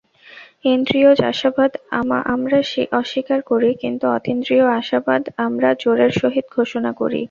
ইন্দ্রিয়জ আশাবাদ আমরা অস্বীকার করি, কিন্তু অতীন্দ্রিয় আশাবাদ আমরা জোরের সহিত ঘোষণা করি।